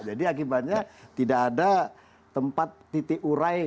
jadi akibatnya tidak ada tempat titik urai